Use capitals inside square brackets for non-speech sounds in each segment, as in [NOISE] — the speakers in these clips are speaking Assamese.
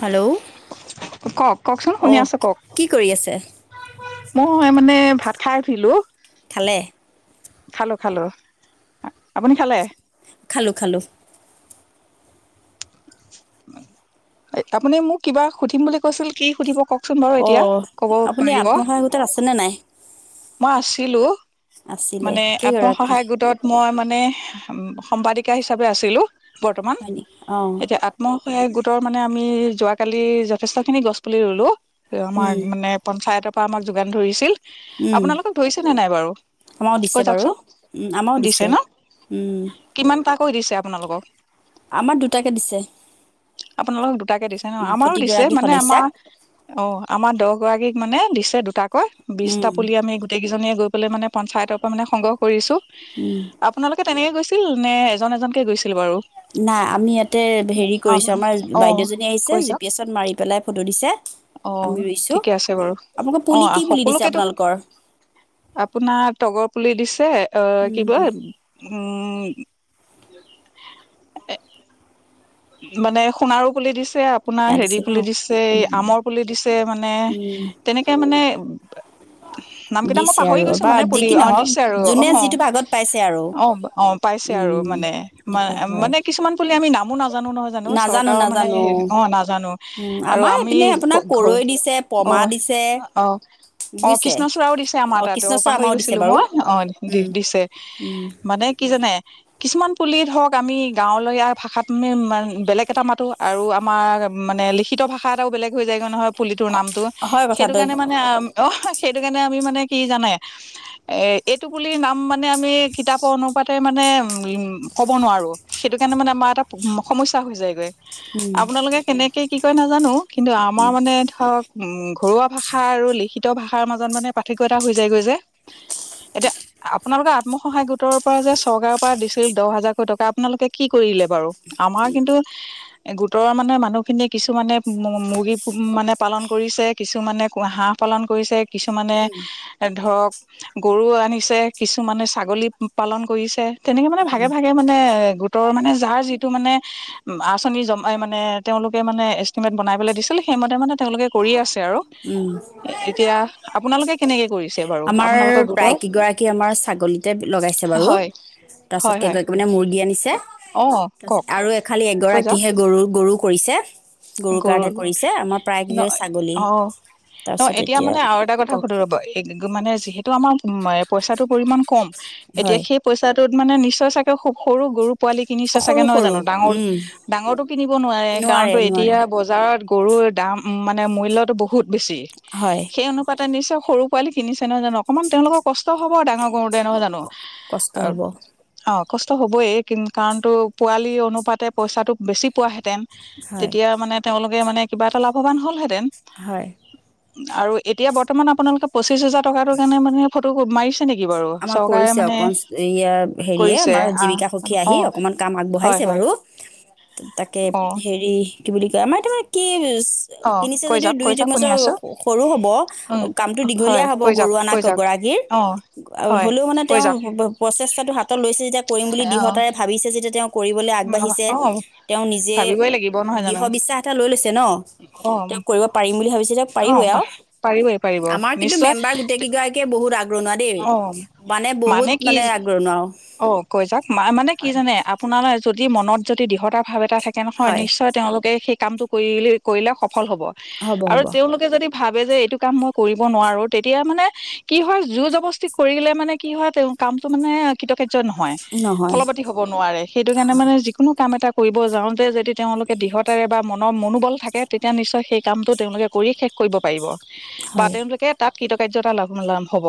হেল্ল'। কওঁক কওঁকচোন শুনি অ'। আছো কওঁক। কি কৰি আছে? মই মানে ভাত খাই উঠিলোঁ। খালে। খালো, খালো আপুনি খালে? খালোঁ, খালোঁ। আপুনি মোক কিবা সুধিম বুলি কৈছিল কি সুধিব কওঁক। অ আপুনি আত্মসহায় গোটত আছে নে নাই? মই আছিলো আছিলে, মানে কেইগৰাকী? আত্মসহায় গোটত মই মান মানে উম্ সম্পাদিকা হিচাপে আছিলোঁ। বৰ্তমান হয় নেকি? অ', এতিয়া আত্ম হয় গোটৰ মানে আমি যোৱাকালি যথেষ্ট খিনি গছ পুলি ৰুলো। আমাৰ উম, মানে পঞ্চায়তৰ বা আমাক যোগান ধৰিছিল। উম, আপোনালোকক ধৰিছেনে নাই বাৰু আমাৰো দিছে কৈ বাৰু। যাওকচোন উম, আমাৰো দিছে ন উম, কিমান ত কৈ দিছে আপোনালোকক আমাৰ দুটাকে দিছে আপোনালোকক তাকে দিছে ন উম, আমাৰো দিছে প্ৰতিগৰাকী মানে আমাৰ সদস্যাক। অঁ আমাৰ দহ গৰাকীক মানে দিছে দুটাক ক বিশটা উম, আমি গোটেই কেইজনীয়ে গৈ পেল মান পঞ্চায়তৰ পৰা মানে সংগ্ৰহ কৰিছো উম, আপোনালোকে তেনেকে গৈছে ছিল নে এজন এজনকে গৈছিল বাৰু নাই আমি ইয়াতে হেৰি কৰিছো আপুনি আমাৰ অ বাইদেউজনী আহিছে কৈ জি যাওক পি এছত মাৰি পেলাই ফটো দিছে অ আমি ৰুইছো ঠিকে আছে বাৰু আপোনালোকে অ পুলি কি পুলি দিছে সকলোকেতো আপোনালোক আপোনাৰ তগৰ পুলি দিছে অঁ কি উম, কয় উম মানে সোণাৰো বুলি দিছে ছে আপোনাৰ সেয়া হেৰি দিছে ন? পুলি দিছে আমৰ পুলি দিছে মানে উম। তেনেকে মানে নাম কেইটা মই দিছে পাহৰি আৰু গৈছো বা মানে যি পুলি কি অ নহওক দিছে আৰু অ যোনে যিটো ভাগত পাইছে আৰু অ অ পাইছে আৰু উম মানে, ম এনেকুৱা হয় মানে কিছুমান পুলি আমি নামো নাজ নাজানো নহয় জানো নাজানো চৰকাৰৰ মানে নাজানো অ নাজানো উম আৰু আমাৰ আমি এইপিনে আপোনাৰ ঘ কৰৈ দিছে অ পমা দিছে অ। অ বুজিছে কৃষ্ণচূড়াও দিছে আমাৰ তাত অ কৃষ্ণচূড়া পাহৰি আমাৰো দিছে গৈছিলো বাৰু মই, অ দি উম দিছে উম মানে কি জানে? কিছুমান পুলি ধৰক আমি গাঁৱলীয়া ভাষাত আমি বেলেগ এটা মাতোঁ আৰু আমাৰ মানে লিখিত ভাষা এটাও বেলেগ হৈ যায়গৈ নহয়। পুলিটোৰ নামটো হয় সেইটো কথাটো কাৰণে মানে অ হয়। সেইটো কাৰণে আমি মানে কি জানে? এ এইটো পুলি নাম মানে আমি কিতাপৰ অনুপাতে মানে উম ক'ব নোৱাৰো, সেইটো কাৰণে মানে আমাৰ এটা সমস্যা হৈ যায়গৈ। আপোনালোকে কেনেকে কি? কৈ নাজানো। কিন্তু আমাৰ মানে ধৰক। উম। ঘৰুৱা ভাষা আৰু লিখি। তীয় ভাষাৰ মাজত মানে পাৰ্থক্য এটা হৈ যায়গৈ যে। এতিয়া আপোনালোকৰ আত্মসহায়ক গোটৰ পৰা যে চৰকাৰৰ পৰা দিছিল দহ হাজাৰকৈ টকা আপোনালোকে কি কৰিলে বাৰু। আমাৰ কিন্তু। গোটৰৰ মানে মানুহখিনিয়ে কিছুমানে মুৰ্গী মানে পালন কৰিছে কিছুমানে হাঁহ পালন কৰিছে। কিছুমানে ধৰক। গৰু আনিছে কিছুমানে ছাগলী পালন কৰিছে। তেনেকে মানে ভাগে ভাগে মানে গোটৰ মানে যাৰ যি। মানে আচনি জ মানে তেওঁলোকে মানে। বনাই প দিছিল সেইমতে মানে তেওঁলোকে কৰি আছে। আৰু উম এতিয়া আপোনালোকে কেনেকে কৰিছে। বাৰু আমাৰ আপোনালোকৰ গোটৰ প্ৰায় কেইগৰাকী আমাৰ ছাগলীতে লগাইছে বাৰু হয় তাৰপাছত হয় হয় কেইগৰাকী মানে মুৰ্গী আনিছে অহ। তাৰপিছত আৰু এ খালি এগৰাকীহে গৰুৰৰু। গৰু কৰিছে। গৰু। ন অঁ ন এতিয়া মানে আৰু এটা কথা কওক সুধো ৰ'ব মানে যিহেতু আমাৰ পইচাটোৰ পৰিমাণ কম। এতিয়া হয় সেই পইচা। ত মানে নিশ্চয় চাগে খুব সৰু গৰু। পোৱালি কিনিছে চাগে সৰু নহয় সৰু জানো ডাঙৰ উম ডাঙৰটো কিনিব নোৱাৰে কাৰণো। এতিয়া বজাৰত গৰু। গৰুৰ দাম মানে মূল্যটো বহুত। বেছি হয় সেই অনুপা। নিছে সৰু পোৱালি কিনিছে। তেনেক জানো অকণমান তেওঁলোকৰ কষ্ট হ'ব ডাঙৰ কৰৰুতে এনেকুৱা জানো কষ্ট হ'ব অ। কষ্ট হ'বই কাৰণতো পোৱালি অনুপাতে পইচাটো বেছি পোৱাহেঁতেন। হয় তেতিয়া মানে তেওঁলোক। মানে কিবা এটাাভান হল হেতেন। হয়। আৰু এতিয়া বৰ্তমান আপোনালোকে পচিচ। ত্ৰিছ হাজাৰ টকাৰটো কাৰণোনে। তোৰ সোমায়। আমাৰ কৰিছে অকন ইয়াৰ হেৰিয়ে কৰিছে আমাৰ আহ জীৱিকা সুখী আহি অ' অকমান কাম হয় আগবঢ়াইছে হয় বাৰু, তাকে অ' হেৰি কি বুলি কয় আমাৰ তোমাক কি অ' কিনিছে কৈ যদিও যাওক দুই কৈ যাওক শুনি তিমছৰ আছো সৰু হ'ব উম কামটো দীঘলীয়া হয় হ'ব কৈ যাওক গৰু আনা কৈ যাওক গৰাকীৰ। অ' আৰু হয় হ'লেও মানে কৈ তেওঁ যাওক প্ৰচেষ্টাটো হাতত লৈছে যেতিয়া কৰিম বুলি দৃঢ়তাৰে অ' ভাবিছে যেতিয়া তেওঁ কৰিবলৈ আগবাঢ়িছে, অ' তেওঁ নিজে ভাবিবই লাগিব নহয় জানো দৃঢ়বিশ্বাস এটা লৈ লৈছে। ন' অ' তেওঁক কৰিব পাৰিম বুলি ভাবিছে তেওঁক অ' পাৰিবয়ে আৰু পাৰিবই পাৰিব আমাৰ কিন্তু নিশ্চয় মেম্বাৰ গোট কেগৰাকীয়ে বহুত আগ প্ৰনা অ' মানে বহুত মানে আগৰণুৱা আৰু অ', কৈ যাওঁক ম মানে কি হয় জানে আপোনালৈ যদি মনত যদি দৃঢ়তা ভাৱে এটা থাকে নহয় হয় নিশ্চয় তেওঁলোকে কামটো কৰি কৰিলে সফল হ'ব হ'ব আৰু হ'ব তেওঁলোকে যদি ভাল যে এইটো কাম মই কৰিব নোৱাৰো তেতিয়া মানে কি হয় জোৰ জবস্তি কৰিলে মানে কি হয় তেওঁ কামটো মানে কিতকে নহয় নহয় ফলপাতি হ'ব নোৱাৰে সেইটো কাৰণে মানে যিকোনো কাম এটা কৰিব যাওঁতে যদি তেওঁলোকে দৃঢ়তাৰে বা মনৰ মনোবল থাকে তেতিয়া নিশ্চয় সেই কামটো তেওঁলোকে কৰি শেষ কৰিব পাৰিব। বা হয় তেওঁলোকে তাত কৃতকাৰ্যতা লাভ লাভ হ'ব।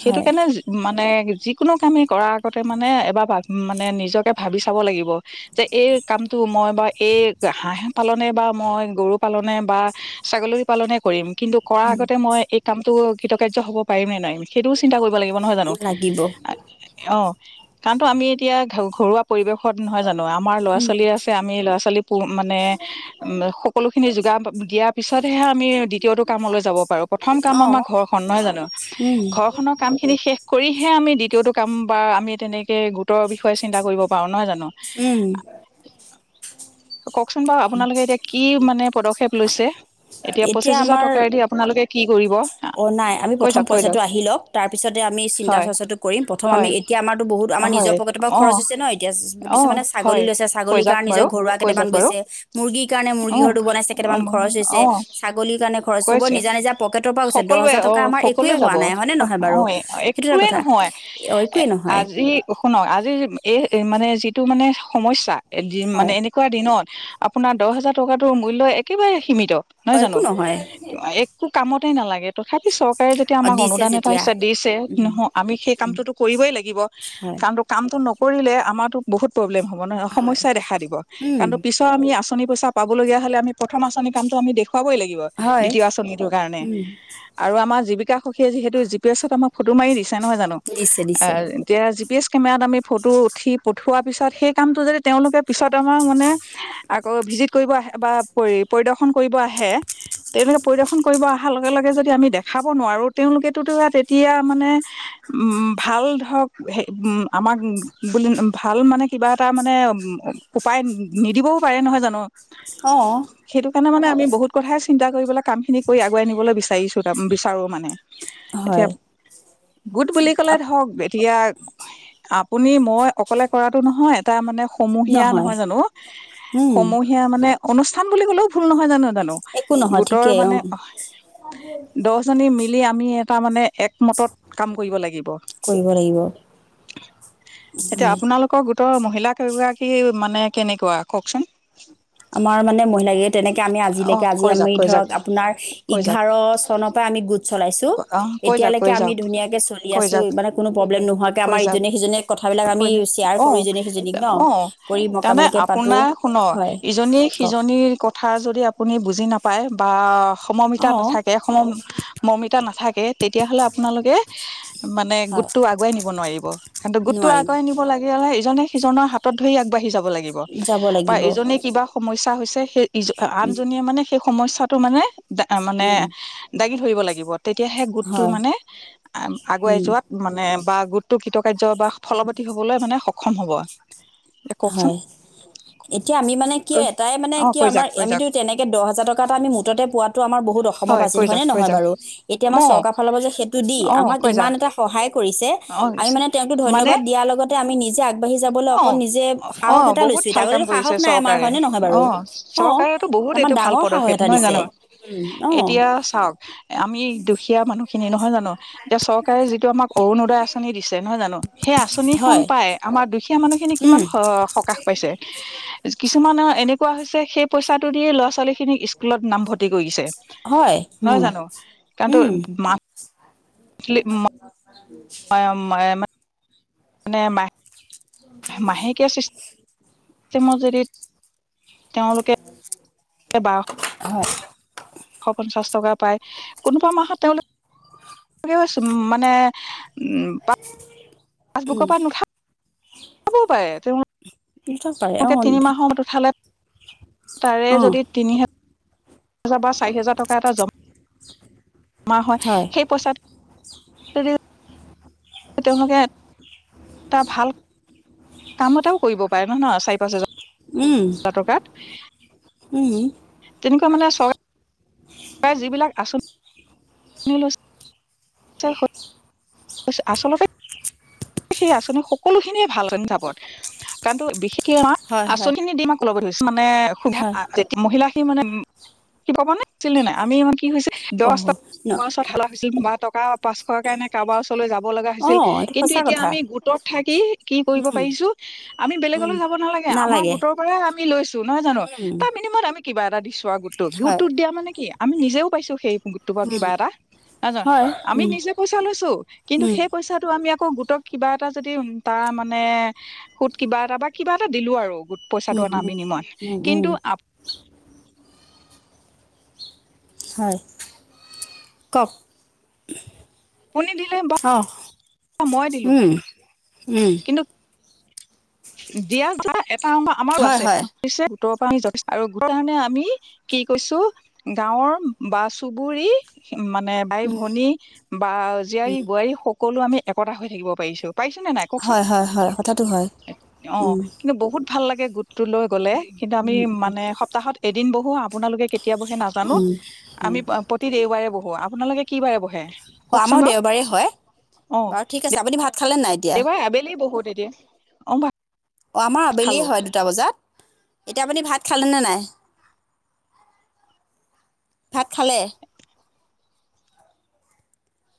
সেইটো হয় কাৰণে মানে যিকোনো কামে কৰাৰ আগতে মানে এবাৰ মানে নিজকে ভাবি চাব লাগিব যে এই কামটো মই বা এই হাঁহ পালনে বা মই গৰু পালনে বা ছাগলী পালনে কৰিম। কিন্তু কৰাৰ আগতে মই এ কামতো কৃতকাৰ্য হ'ব পাৰি নে নাই সেইটোও চিন্তা কৰিম লাগিব নহয় জানো। লাগিব অ', কাৰণটো আমি এতিয়া ঘ ঘৰুৱা পৰিৱেশত নহয় জানো আমাৰ উম ল'ৰা-ছোৱালী আছে আমি ল'ৰা-ছোৱালী প মানে উম, সকলো খিনি যোগাব দিয়াৰ পিছতেহে আমি দ্বিতীয়টো কামলৈ যাব পাৰো প্ৰথম কাম অ আমাৰ ঘৰখন নহয় জানো, উম ঘৰ খনৰ কাম খিনি শেষ কৰিহে আমি দ্বিতীয়টো কাম বা আমি তেনেকে কে গোটৰ বিষয়ে চিন্তা কৰিব পাৰো নহয় জানো। উম কওঁকচোন বাৰু আপোনালোকে এতিয়া কি মানে পদক্ষেপ লৈছে। এতিয়া পঁচিশ হাজাৰ টকাৰে দি আপোনালোকে কি কৰিব অ', নাই আমি কৈ প্ৰথম যাওক কৈ পইচাটো যাওক লক তাৰ পিছতে আমি চিন্তা হয় চৰ্চাটো কৰি ম প্ৰথম আমি হয় এতিয়া আমাৰতো বহুত আমাৰ নিজৰ হয় পকেটৰ পৰা অঁ খৰচ হৈছে ন' এতিয়া অঁ কিছুমানে ছাগলী হয় লৈছে কৈ ছাগলীৰ যাওক কাৰণে নিজৰ বাৰু ঘৰুৱা কৈ কেইটামান যাওক বাৰু গৈছে, মুৰ্গীৰ কাৰণে মুৰ্গী অ', ঘৰটো বনাইছে অ', কেইটামান খৰচ হৈছে অ', ছাগলীৰ কাৰণে খৰচব হ'ব কৈছে নিজা নিজা পকেট সকলোৱে অ', সকলোৱে যাব হয়নে নহয় বাৰু অ', সেইটো এটা একোৱেই কথা নহয় অ এ একোৱে নহয় আজি শুনক, আজি এই মানে যিটো মানে সমস্যা এ দি মানে হয় এনেকুৱা দিনত আপোনাৰ দহ হাজাৰ টকাটোৰ মূল্য একেবাৰে সীমিত, অ নহয় একো জানো। একো কামত তেই নালাগে। তথাপি চৰকাৰে যেতিয়া অ আমাক দিছে অনুদান এটা যেতিয়া হিছ দিছে উম নহ আমি সেই কামটোতো কৰিবই লাগিব হয় কাৰণ কামটো ন কৰিলে আমাৰো বহুত প্ৰব্লেম হ'ব। হয় সমস্যাই দেখা দিব উম কাৰণ পিছত আমি আনি পইচা পাব লগীয়া হ'লে আমি প্ৰথম আঁচনি কামটো আমি দেখুৱাবই লাগিব। হয় উম [UNINTELLIGIBLE] আৰু আমাৰ জিৱীকা সখীয়ে যিহেতু জি পি এছত আমাক ফটো মাৰি দিছে। নহয় জানো, দিছে দিছে অ', এতিয়া পি এছ কেমেৰাত আমি ফটো উঠি থোৱা পিছত সেই কামটো যদি তেওঁলোকে পিছত আমাৰ মানে আকৌ ভিজিট কৰিব আহে বা পৰি পৰিদৰ্শন কৰিব আহে তেওঁলোকে পৰিদৰ্শন কৰিব অহাৰ লগে লগে যদি আমি দেখাব নোৱাৰোঁ তেওঁলোকেতোতো তেতিয়া মানে উম, ভাল ধৰক উম, আমাক বুলি ভাল মানে কিবা এটা মানে উপায় নিদিবও পাৰে নহয় জানো। অহ। সেইটো কাৰণে আমি বহুত কথাই চিন্তা কৰি পেলাই কামখিনি কৰি আগুৱাই নিবলৈ বিচাৰিছোঁ তাৰ [UNINTELLIGIBLE] বিচাৰোঁ মানে। এতিয়া হয় গোট বুলি ক'লে আপ ধৰক এতিয়া আপুনি মই অকলে কৰাটো নহয়! এটা মানে সমূহীয়া নহয় জানো! উম সমূহীয়া মানে অনু [UNINTELLIGIBLE] খাম বুলি ক'লেও ভুল নহয় জানো! একো [UNINTELLIGIBLE] নহয় গোটৰ ঠিকেই অ মানে [UNINTELLIGIBLE] দছজনী মি লি আমি এটা মানে একমতত কাম কৰিব লাগিব। কৰিব লাগিব এতিয়া হয় আপোনালোকৰ গোট তই মহিলা কেইগৰাকী মানে কেনেকুৱা কওকচোন আমাৰ মানে মহিলাকে তেনেকে আমি অ আজিলৈকে আজি কৈ যাওক আমি কৈ যাওক ধৰক আপোনাৰ কৈ যাওক এঘাৰ চনৰ পৰা আমি গোট চলাইছো অ কৈ যাওক এতিয়ালৈকে কৈ আমি যাওক ধুনীয়াকে চলি কৈ আছো যাওক মানে কোনো প্ৰব্লেম নোহোৱাকে কৈ আমাৰ যাওক ইজনে সিজননে কথাবিলাক আমি কৈ যাওক শ্বেয়াৰ অ কৰো ইজনে সিজনীক ন অ কৰি তাৰমানে মকামিলকে পাতো আপোনাৰ শুনক হয় কওক সিজনীৰ কথা যদি আপুনি বুজ [UNINTELLIGIBLE] নাপায় বা অ সমমিতা নাথাকে সম মমিতা নাথাকে তেতিয়া হ'লে আপোনালোকে, মানে হয় গোটটো আগুৱাই নিব নোৱাৰিব, [UNINTELLIGIBLE] গোটটো নোৱাৰিম আগুৱাই নিব লাগিলে ইজনে সিজনৰ হাতত ধৰি আগ বাঢ়ি যাব [UNINTELLIGIBLE] লাগিব। যাব বা লাগিব ইজনে কিবা সমস্যা হৈছে সেই ইজ আ উম আনজনীয়ে মানে সেই সমস্যাটো মানে [UNINTELLIGIBLE] মানে উম, দাঙি ধৰিব লাগিব তেতিয়াহে গোটটো হয়, মানে, আগুৱাই উম, যোৱাত মানে বা [UNINTELLIGIBLE] কাৰ্য বা ফলতি হ'বলৈ মানে [UNINTELLIGIBLE] হ'ব। কওকচোন হয়। এতিয়া আমি মানে কি এটাই মানে অ কি কৈ আমাৰ যাক কৈ আমিতো যাক তেনেকে দহ হাজাৰ টক [UNINTELLIGIBLE] আমি মুঠতে পোৱাত তো আমাৰ বহুত অসমৰ কৈ [UNINTELLIGIBLE] হয় যাক কৈ নহয় যাক বাৰু, এতিয়া ম আমাৰ চৰকাৰ ফালৰ সেইটো দি, অ আমাক কৈ ইমান যাক এটা সহায় কৰিছে, অ আমি মানে তেওঁকো মানে ধন্যবাদ দিয়াৰ লগতে আমি নিজে আগ বাঢ়ি যাবলৈ অকণ নি অ, অ, বহুত ভাল কাম কৰিছে নাই আমাৰ চৰকাৰে। হয়নে নহয় অ, বাৰু? অ', চৰকাৰতো বহুত আমাৰ এইটো ভাল ডাঙৰ সাহস পদক্ষেপ এটা নহয় দিছে। জানো, উম, অ', এতিয়া চাওক আমি দুখীয়া মানুহখিনি নহয় জানো, এতিয়া চৰকাৰে যিটো আমাক অৰুণোদয় আঁচনি দিছে নহয় জানো [UNINTELLIGIBLE] সেই আঁচনিখন হয়, পায় দুখীয়া মানুহ খিনি উম, কিমান স সকাহ পাইছে, কিছুমানৰ এনেকুৱা হৈছে সেই পইচাটো দিয়ে ল'ৰা ছোৱালী খিনিক স্কুলত নামভৰ্তি কৰিছে, হয়, নহয় উম, জানো কাৰণটো উম, মা [INAUDIBLE] [UNINTELLIGIBLE] [UNINTELLIGIBLE] মানে মাই মাহেকীয়া সৃ [UNINTELLIGIBLE] তেওঁলোকে [UNINTELLIGIBLE] হয়। এশ পঞ্চাছ টকা পায়, কোনোবা মাহত তেওঁলোকে [UNINTELLIGIBLE] মানে [UNINTELLIGIBLE] পাছবুকৰ পৰা নুঠাবও পাৰে নিশ্চয় পাৰে অ', তেওঁলোকে তিনিমাহৰত উঠালে তাৰে অ', যদি তিনি হ পাঁচ হেজাৰ বা চাৰি হেজাৰ টকা এটা জমা জমা হয় সেই পইচা ত তেওঁলোকে এটা ভাল কাম এটাও কৰিব পাৰে নহয় নহ চাৰি পাঁচ হাজাৰ উম টকাত উম তেনেকুৱা মানে চ প্ৰায় যিবিলাক আচ আচলতে সেই আঁচনি সকলোখিনিয়ে ভালাপত কাৰণ বিশেষ হয়, আচল হয়, খিনি দিমাক [UNINTELLIGIBLE] নাই সুধ হয়। মহিলা মানে কি পাবা নেছিল নে নাই আমি মানে কি হৈছে দহটা অ', ন মাছঠ লা হৈছিল বা টকা পাঁচশৰ কাৰণে কাৰোবাৰ যাব লগা হৈছিল অ', এইটো কিন্তু সঁচা এতিয়া কথা। আমি গোটত থাকি কি কৰিব উম, পাৰিছো আমি উম। বেলেগলৈ যাব নালাগে আমাৰ গোটৰ পৰা আমি লৈছো নহয় জানো উম, তাৰ বিনিময়ত আমি কিবা এটা দি চোৱা হয়, গউতটোত দিয়া মানে কি আমি নিজেও পাইছো সেই অটোবা কিবা এটা নহয় জান হয়। আমি উম, নিজে পইচা লৈছো কিন্তু উম, সেই পইচাটো আমি আকৌ গোটক কিবা এটা যদি তাৰ মানে সুত কিবা এটা বা কিবা এটা দিলো আৰু গোট পইচাটো উম, আ উম, বিনিময় উম, উম, কিন্তু আ হয় কওক আপুনি দিলে বা অ', মই দিলোঁ উম, উম দিয়া যায় অ আমাৰো হয়, আছে হয়, পিছে ৰ পৰা আমিছো আৰু গাওঁৰ কাৰণে আমি কি কৈছো গাঁৱৰ বা চুবুৰী মানে বাই-ভনী বা জীয়াৰী-বোৱাৰী স কলো আমি একতা হৈ থাকিব পাৰিছোঁ। হয়-হয়-হয়, কথাাটো হয়। অ' উম, কিন্তু বহুত ভাল লাগে গোট টো লৈ গ'লে কিন্তু আমি মানে সপ্তাহত এদিন বহোঁ, আপোনালোকে কেতিয়া বহে নাজানোঁ। আমি প্ৰতি দেওবাৰে বহোঁ। আপোনালোকে কি বাৰে বহে অ', কওকচোন আমাৰো বাৰু দেওঁবাৰে হয় বাৰু, ঠিক আছে, আপুনি ভাত খালে নাই? এতিয়া? দেওঁবাৰে আবেলি বহুত এতিয়া অ'। অ', আমাৰ খালো আবেলিয়ে হয় দুটা বজাত। এতিয়া আপুনি ভাত খালেনে নাই? ভাত খালে?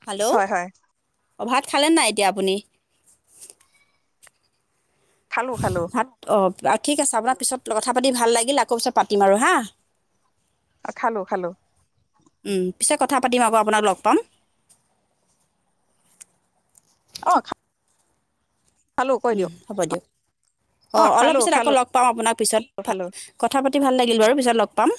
হেল্ল' হয়, হয়। অ', ভাত খালে নাই এতিয়া আপুনি? খালোঁ, খালোঁ। ভাত অ' ঠিক আছে আপোনাৰ পিছত কথা পাতি ভাল লাগিল আকৌ পিছত পাতিম আৰু হা। অ', খালোঁ, খালোঁ। উম, পিছে কথা পাতিম আকৌ আপোনাক লগ পাম। অ', খা উম, হ'ব দিয়ক, অঁ অ', অলপ খালোঁ পিছত আকৌ খালোঁ লগ পাম আপোনাক পিছত খালোঁ কথা পাতি ভাল লাগিল বাৰু পিছত লগ প পাম।